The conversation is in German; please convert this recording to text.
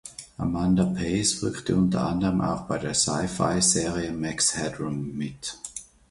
Amanda Pays wirkte unter anderem auch bei der Sci-Fi Serie "Max Headroom" mit.